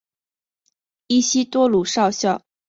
伊西多鲁少校镇是巴西阿拉戈斯州的一个市镇。